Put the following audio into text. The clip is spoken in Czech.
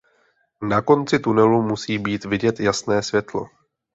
Na konci tunelu musí být vidět jasné světlo.